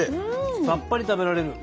さっぱり食べられる。